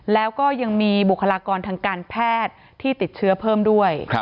แล้วก็ยังมีบุคลากรทางการแพทย์ที่ติดเชื้อเพิ่มด้วย